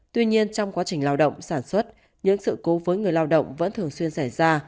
tuy nhiên trong quá trình lao động sản xuất những sự cố với người lao động vẫn thường xuyên xảy ra